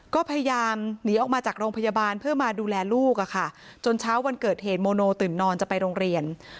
ก็พยายามหนีออกมาจากโรงพยาบาลเพื่อมาดูแลลูกอะค่ะจนเช้าวันเกิดเหตุโมโนตื่นนอนจะไปโรงเรียน